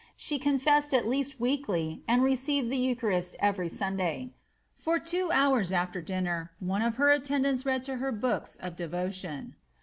She confessed at least weekly, and received the eucharist every Sunday. For two hours afler dinner one of her attendants read to her books of devotion.